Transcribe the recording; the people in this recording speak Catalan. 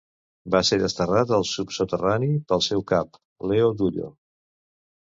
Va ser desterrat al "subsoterrani" pel seu cap, Leo Dullo.